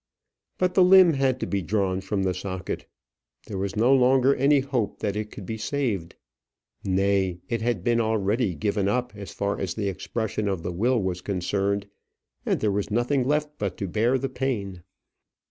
But the limb had to be drawn from the socket. There was no longer any hope that it could be saved. Nay, it had been already given up as far as the expression of the will was concerned, and there was nothing left but to bear the pain.